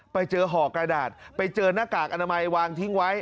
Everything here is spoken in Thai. ไปเจอห่อกระดาษไปเจอหน้ากากอนามัยวางทิ้งไว้